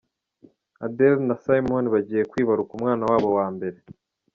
Adele na Simon bagiye kwibaruka umwana wabo wa mbere.